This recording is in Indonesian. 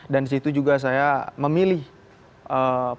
dan di situ juga saya memilih pelatih